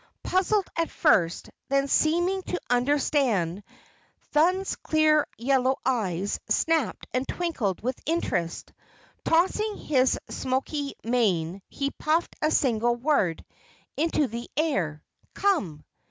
Puzzled at first, then seeming to understand, Thun's clear yellow eyes snapped and twinkled with interest. Tossing his smoky mane, he puffed a single word into the air. "Come!"